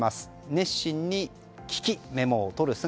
熱心に聞きメモを取る姿。